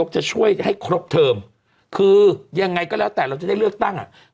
จะช่วยให้ครบเทิมคือยังไงก็แล้วแต่เราจะได้เลือกตั้งอ่ะ